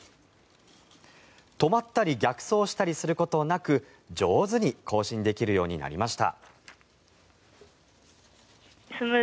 止まったり逆走したりすることなく上手に行進できるようになりました。